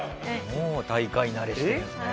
もう大会慣れしてるんですね。